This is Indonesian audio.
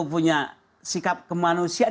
punya sikap kemanusiaan